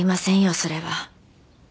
それは。